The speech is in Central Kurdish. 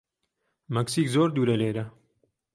مەکسیک زۆر دوورە لێرە.